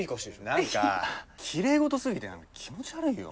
何かきれい事すぎて何か気持ち悪いよ。